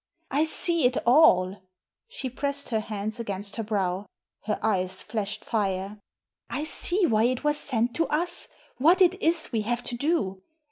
"I see it all!" She pressed her hands against her brow. Her eyes flashed fire. " I see why it was sent to us, what it is we have to do.